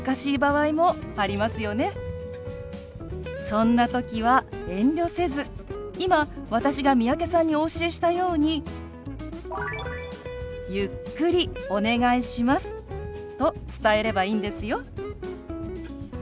そんな時は遠慮せず今私が三宅さんにお教えしたように「ゆっくりお願いします」と伝えればいいんですよ。